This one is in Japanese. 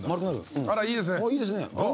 あらいいですね。